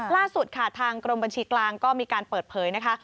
ล่าสุดค่ะทางกรมบัญชีกลางก็มีการเปิดเผยนะคะ